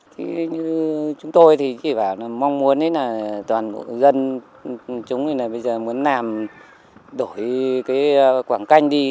thì như chúng tôi thì bảo là mong muốn là toàn bộ dân chúng thì là bây giờ muốn làm đổi cái quảng canh đi